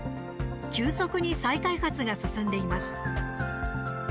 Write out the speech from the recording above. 急速に再開発が進んでいます。